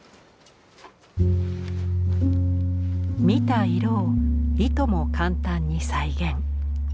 見た色をいとも簡単に再現。